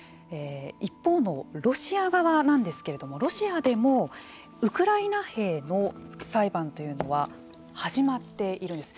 一方のロシア側なんですけれどもロシアでもウクライナ兵の裁判というのは始まっているんです。